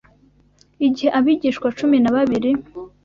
Igihe abigishwa cumi na babiri